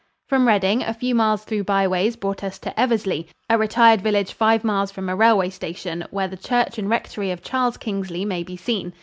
From Reading, a few miles through byways brought us to Eversley, a retired village five miles from a railway station, where the church and rectory of Charles Kingsley may be seen.